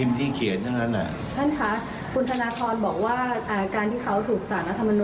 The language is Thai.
ว่าการที่เขาถูกสั่งรัฐมนูลให้พิจารณา